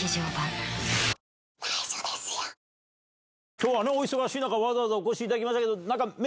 今日はお忙しい中わざわざお越しいただきましたけど。